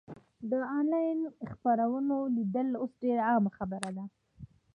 د انلاین خپرونو لیدل اوس ډېره عامه خبره ده.